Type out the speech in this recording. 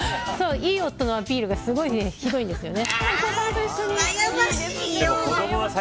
いい夫のアピールがひどいんですよね。